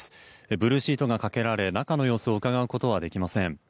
ブルーシートがかけられ中の様子をうかがうことはできません。